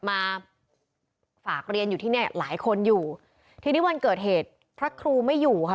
มาฝากเรียนอยู่ที่เนี้ยหลายคนอยู่ทีนี้วันเกิดเหตุพระครูไม่อยู่ค่ะ